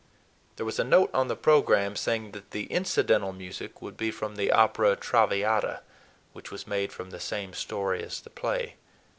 There was a note on the programme, saying that the "incidental music" would be from the opera "Traviata," which was made from the same story as the play.